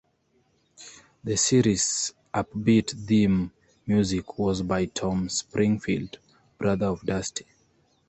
The series' upbeat theme music was by Tom Springfield, brother of Dusty.